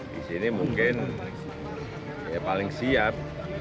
di sini mungkin paling siap